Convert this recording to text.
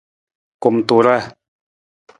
Kumtuuraa.